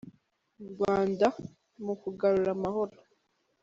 mu Rwanda mu kugarura amahoro.